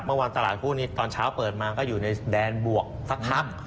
เมื่อวานตลาดหุ้นนี้ตอนเช้าเปิดมาก็อยู่ในแดนบวกสักพัก